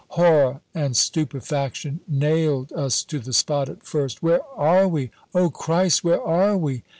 Horror and stupefaction nailed us to the spot at first "Where are we? Oh, Christ, where are we?"